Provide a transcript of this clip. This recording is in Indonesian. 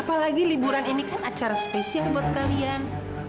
apalagi liburan ini kan acara spesial buat kalian